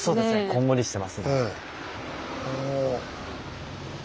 こんもりしてます。